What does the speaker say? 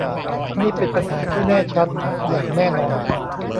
นี่เป็นปัญหาที่แน่ชัดอย่างแน่นอน